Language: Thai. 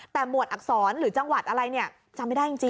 แต่หมวดอักษรหรือจังหวัดอะไรเนี่ยจำไม่ได้จริง